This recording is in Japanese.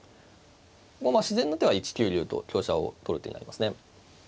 自然な手は１九竜と香車を取る手になりますね。